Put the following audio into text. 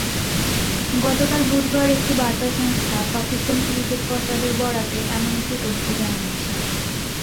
গতকাল বুধবার একটি বার্তা সংস্থা পাকিস্তানি ক্রিকেট কর্তাদের বরাতে এমন একটি তথ্য জানিয়েছে।